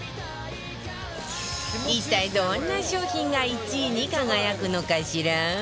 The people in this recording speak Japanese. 一体どんな商品が１位に輝くのかしら？